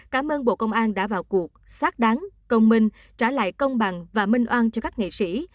cảm ơn bộ công an đã vào cuộc xác đáng công minh trả lại công bằng và minh oan cho các nghệ sĩ